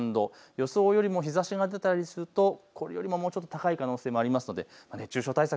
予想よりも日ざしが出たりするとこれよりももうちょっと高い可能性もありますので、熱中症対策